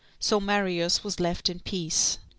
So Marius was left in peace.